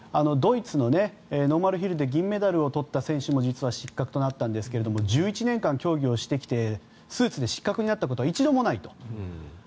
ドイツのノーマルヒルで銀メダルを取った選手も実は失格となったんですが１１年間競技をしてきてスーツで失格になったことは一度もないと。